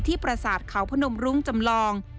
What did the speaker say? ประสาทเขาพนมรุ้งจำลอง